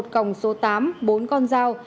một còng số tám bốn con dao